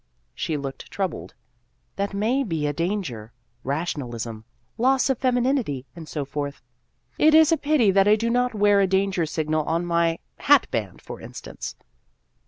She looked troubled. " That may be a ' Danger ' rationalism, loss of femininity, and so forth." "It is a pity that I do not wear a danger signal on my hatband, for instance."